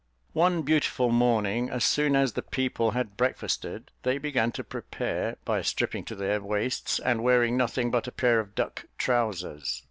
One beautiful morning, as soon as the people had breakfasted, they began to prepare, by stripping to their waists, and wearing nothing but a pair of duck trousers.